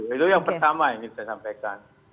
oke itu yang pertama ya oke itu yang pertama ya